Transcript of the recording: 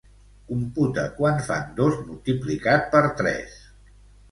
Computa quant fan dos multiplicat per tres.